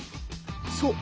そう。